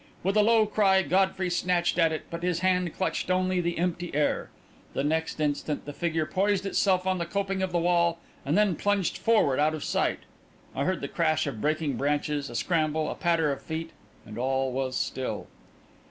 With a low cry, Godfrey snatched at it, but his hand clutched only the empty air. The next instant, the figure poised itself on the coping of the wall and then plunged forward out of sight. I heard the crash of breaking branches, a scramble, a patter of feet, and all was still.